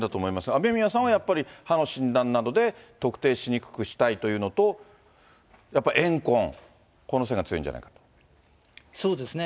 雨宮さんはやっぱり、歯の診断などで特定しにくくしたいというのと、やっぱり怨恨、そうですね。